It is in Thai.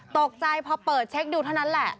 ตกใจพอเปิดเช็คดูเท่านั้นแหละ